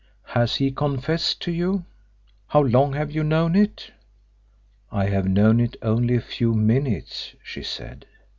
"Has he confessed to you? How long have you known it?" "I have known it only a few minutes," she said.